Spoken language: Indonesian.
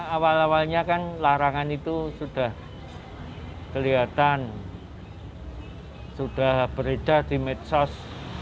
awal awalnya kan larangan itu sudah kelihatan sudah beredar di medsos